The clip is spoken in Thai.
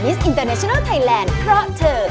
อินเตอร์เนชินัลไทยแลนด์เพราะเธอ